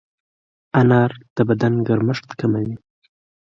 انار د بدن ګرمښت کموي.